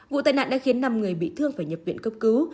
vụ tai nạn đã khiến năm người bị thương phải nhập viện cấp cứu